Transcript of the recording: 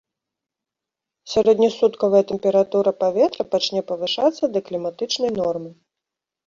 Сярэднесуткавая тэмпература паветра пачне павышацца да кліматычнай нормы.